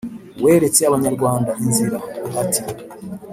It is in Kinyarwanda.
weretse abanyarwanda inzira, ati